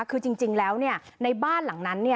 คือจริงแล้วในบ้านหลังนั้น